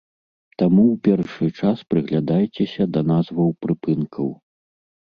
Таму ў першы час прыглядайцеся да назваў прыпынкаў.